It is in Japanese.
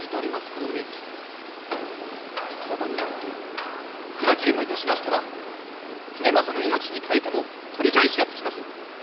この名器戦場にあって砕きでもいたしましたら経正の命に代えても取り返しがつきませぬ。